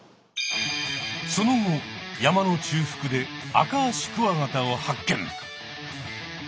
その後山の中腹でアカアシクワガタを発見。